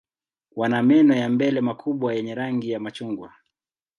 Wana meno ya mbele makubwa yenye rangi ya machungwa.